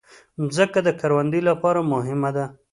مځکه د کروندې لپاره مهمه ده.